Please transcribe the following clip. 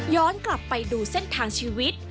กลับไปดูเส้นทางชีวิต